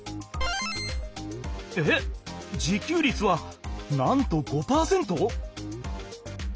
えっ自給率はなんと５％！？